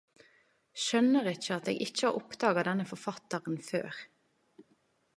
Skjønar ikkje at eg ikkje har oppdaga denne forfattaren før!